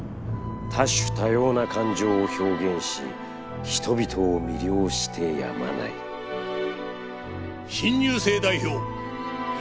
多種多様な感情を表現し人々を魅了してやまない「新入生代表泉花子」。